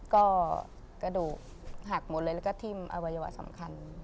ก็กระดูกหักหมดเลยแล้วก็ทิ้มอวัยวะสำคัญ